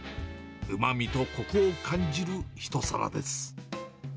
うまみとこくを感じる一皿です。